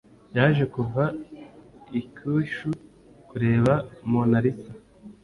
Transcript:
yaje kuva i kyushu kureba mona lisa